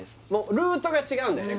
ルートが違うんだよね